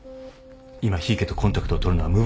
今檜池とコンタクトを取るのは無謀に思うが。